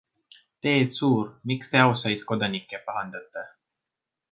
Teet Suur, miks te ausaid kodanikke pahandate?